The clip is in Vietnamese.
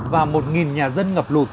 và một nhà dân ngập lụt